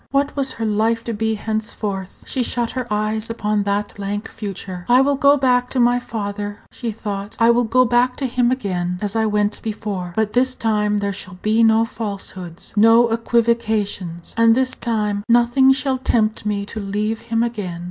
What was her life to be henceforth? She shut her eyes upon that blank future. "I will go back to my father," she thought; "I will go back to him again, as I went before. But this time there shall be no falsehoods, no equivocations, and this time nothing shall tempt me to leave him again."